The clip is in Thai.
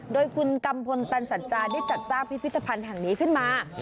โดยคุณกัมพลตันสัจจาได้จัดสร้างพิพิธภัณฑ์แห่งนี้ขึ้นมา